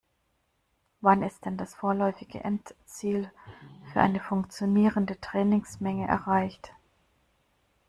Wann ist dann das vorläufige Endziel für eine funktionierende Trainingsmenge erreicht?